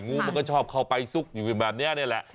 งูมันก็ชอบเข้าไปซุกอยู่แบบนี้นี่แหละ